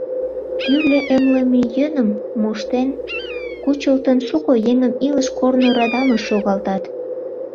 Тӱрлӧ эмлыме йӧным моштен кучылтын, шуко еҥым илыш корно радамыш шогалтат.